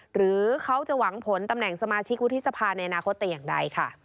หรือเขาจะหวังผลตำแหน่งสมาชิกวุฒิสภาในอนาคตแต่อย่างใดค่ะ